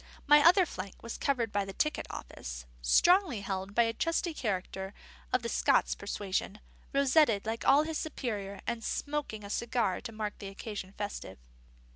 My other flank was covered by the ticket office, strongly held by a trusty character of the Scots persuasion, rosetted like his superior and smoking a cigar to mark the occasion festive.